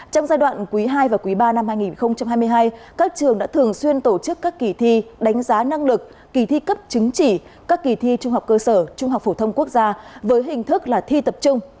trong giai đoạn quý ii và quý ba năm hai nghìn hai mươi hai các trường đã thường xuyên tổ chức các kỳ thi đánh giá năng lực kỳ thi cấp chứng chỉ các kỳ thi trung học cơ sở trung học phổ thông quốc gia với hình thức là thi tập trung